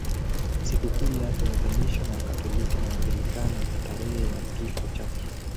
Sikukuu yake huadhimishwa na Wakatoliki na Waanglikana tarehe ya kifo chake.